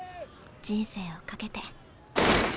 人生を懸けて。